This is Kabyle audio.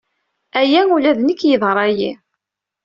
Aya ula d nekk yeḍra-iyi.